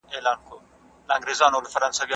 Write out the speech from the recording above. انارګل یو نوی ښکلی څراغ واخیست.